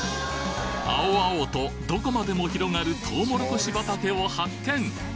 青々とどこまでも広がるとうもろこし畑を発見！